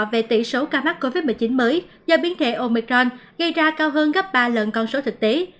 về tỷ số ca mắc covid một mươi chín mới do biến thể omicron gây ra cao hơn gấp ba lần con số thực tế